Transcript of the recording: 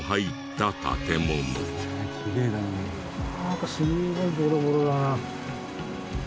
なんかすごいボロボロだな。